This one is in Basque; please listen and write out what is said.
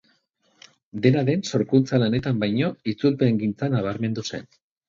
Dena den, sorkuntza-lanetan baino, itzulpengintzan nabarmendu zen.